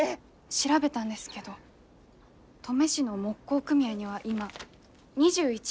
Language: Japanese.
調べたんですけど登米市の木工組合には今２１人の職人さんがいます。